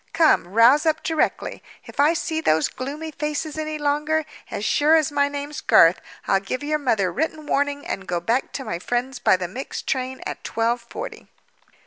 Come, rouse up directly. If I see those gloomy faces any longer, as sure as my name's Garth, I'll give your mother written warning and go back to my friends by the mixed train at twelve forty."